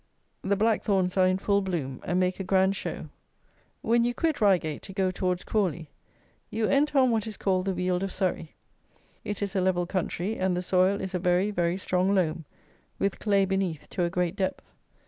The Blackthorns are in full bloom, and make a grand show. When you quit Reigate to go towards Crawley, you enter on what is called the Weald of Surrey. It is a level country, and the soil is a very, very strong loam, with clay beneath to a great depth.